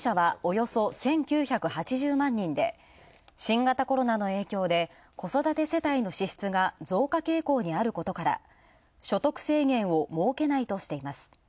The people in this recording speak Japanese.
対象者は新型コロナの影響で子育て世帯の支出が増加傾向にあることから所得制限を設けないとしています。